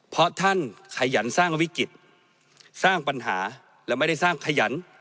เพราะท่านขยันสร้างวิกฤตสร้างปัญหาและไม่ได้สร้างขยัน